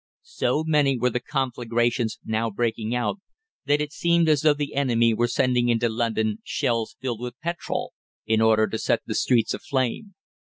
So many were the conflagrations now breaking out that it seemed as though the enemy were sending into London shells filled with petrol, in order to set the streets aflame.